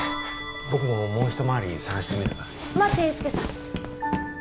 僕ももう一回り捜してみる待って英介さん